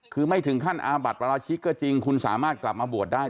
คือไม่ถึงขั้นอาบัติปราชิกก็จริงคุณสามารถกลับมาบวชได้